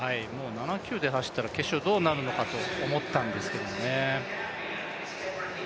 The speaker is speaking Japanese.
７９で走ったら決勝どうなるかと思ったんですけどね。